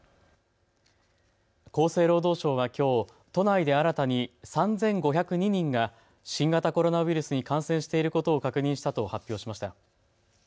厚生労働省はきょう都内で新たに３５０２人が新型コロナウイルスに感染していることを確認したと発表しました。